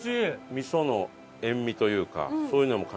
味噌の塩味というかそういうのも感じられて。